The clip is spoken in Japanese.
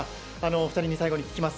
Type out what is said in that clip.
お二人に最後、聞きます。